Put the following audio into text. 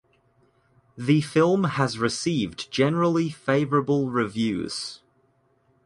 The film has received generally favorable reviews.